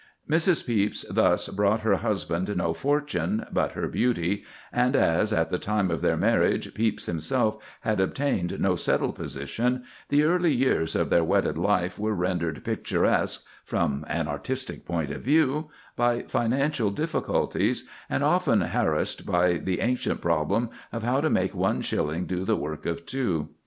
Mrs. Pepys thus brought her husband no fortune but her beauty, and as, at the time of their marriage, Pepys himself had obtained no settled position, the early years of their wedded life were rendered picturesque (from an artistic point of view) by financial difficulties, and often harassed by the ancient problem of how to make one shilling do the work of two.